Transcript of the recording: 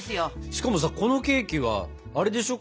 しかもさこのケーキはあれでしょ。